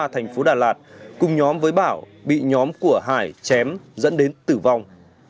thành phố đà lạt cùng nhóm với bảo bị nhóm của hải chém dẫn đến tử vong